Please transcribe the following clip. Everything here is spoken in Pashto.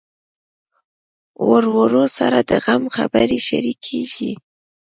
ورور سره د غم خبرې شريکېږي.